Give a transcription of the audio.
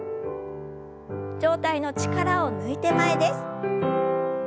上体の力を抜いて前です。